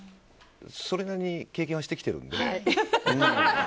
それなりに経験はしてきてるので。